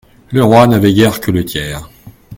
Le roi n'avait guère que le tiers.